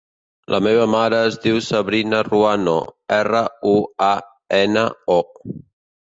La meva mare es diu Sabrina Ruano: erra, u, a, ena, o.